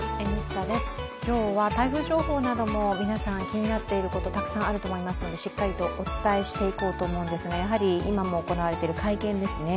今日は台風情報なども皆さん気になっていることたくさんあると思いますので、しっかりとお伝えしていこうと思うんですが、やはり今も行われている会見ですね。